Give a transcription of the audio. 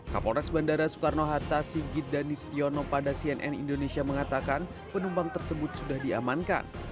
kapolres bandara soekarno hatta sigit dan istiono pada cnn indonesia mengatakan penumpang tersebut sudah diamankan